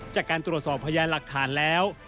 จากการตรวจสอบพยานหลักฐานแล้ว